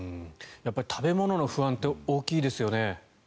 やっぱり食べ物の不安って大きいですよね。